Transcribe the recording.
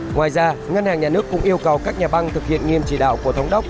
ngoài ra ngân hàng nhà nước cũng yêu cầu các nhà băng thực hiện nghiêm chỉ đạo của thống đốc